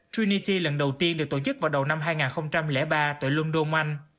trinity lần đầu tiên được tổ chức vào đầu năm hai nghìn ba tại london anh